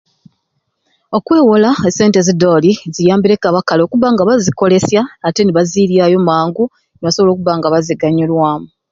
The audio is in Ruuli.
Okwewola esente ezidoli ziyambireku abakali okuba nga bazikolesya ate nibaziryayo mangu nibasobola okuba nga baziganyirwamu